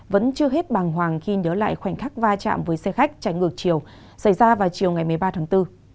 vẫn chưa hết bàng hoàng khi nhớ lại khoảnh khắc vai trạm với xe khách chạy ngược chiều xảy ra vào chiều ngày một mươi ba tháng bốn